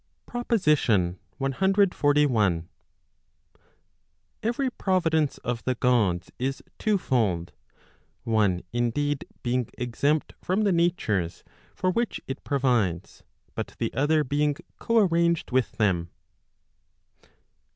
PROPOSITION CXLI. Every providence of the Gods is twofold, one indeed being exempt from the natures for which it provides, but the other being co arranged with them.